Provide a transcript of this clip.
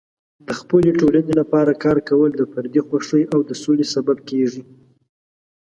د خپلې ټولنې لپاره کار کول د فردي خوښۍ او د سولې سبب کیږي.